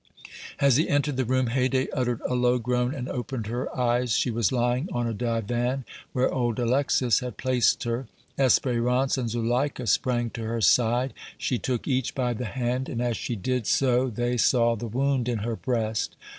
As he entered the room Haydée uttered a low groan and opened her eyes; she was lying on a divan, where old Alexis had placed her. Espérance and Zuleika sprang to her side; she took each by the hand, and as she did so they saw the wound in her breast.